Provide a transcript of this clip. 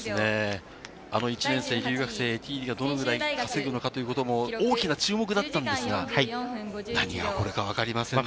あの１年生留学生・エティーリが、どのくらい稼ぐのかというのも大きな注目だったんですが、何が起こるかわかりませんね。